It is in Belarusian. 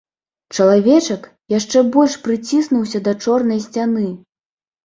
Чалавечак яшчэ больш прыціснуўся да чорнай сцяны.